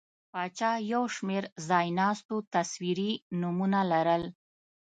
پاچا یو شمېر ځایناستو تصویري نومونه لرل.